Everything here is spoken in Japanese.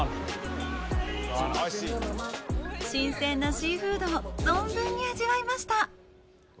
新鮮なシーフードを存分に味わいました！